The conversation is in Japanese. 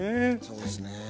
そうですね。